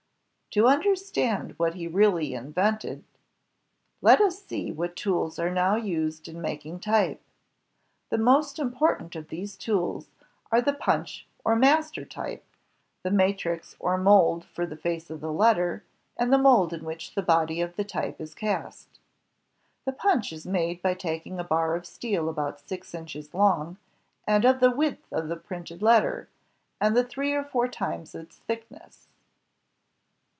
To understand what he really invented, let us see what tools are now used in making type. The most important of these tools are the punch or master type, the matrix JOHN GUTENBERG 197 I which or mold for the face of the letter, and the mold i the body of the type is cast. The punch is made by taking a bar of steel about six inches long, and of the width of a printed letter, and three or four times its thickness.